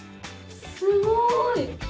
すごい！